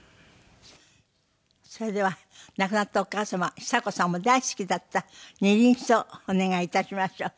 それでは亡くなったお母様久子さんも大好きだった『二輪草』お願いいたしましょう。